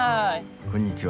こんにちは。